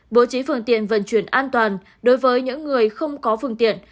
bố trí phương tiện vận chuyển an toàn đối với những người không có phương tiện